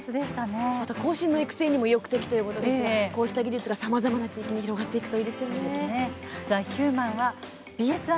後進の育成にも意欲的ということでこうした技術がさまざまな地域に広がっていくといいですよね。